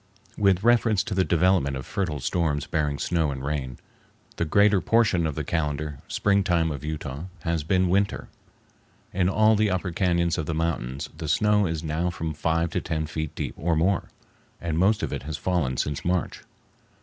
With reference to the development of fertile storms bearing snow and rain, the greater portion of the calendar springtime of Utah has been winter. In all the upper cañons of the mountains the snow is now from five to ten feet deep or more, and most of it has fallen since March.